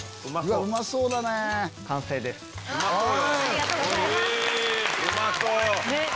うまそうだね！